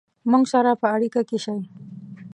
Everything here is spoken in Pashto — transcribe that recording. مونږ سره په اړیکه کې شئ